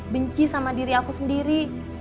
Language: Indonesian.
benci sama diri aku sendiri